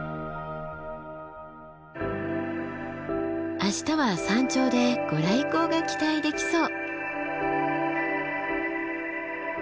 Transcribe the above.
明日は山頂で御来光が期待できそう。